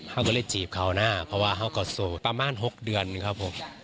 เขาก็เลยจีบเขาหน้าเพราะว่าเขาก็โสดประมาณ๖เดือนครับผม